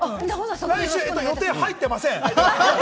来週予定入ってません。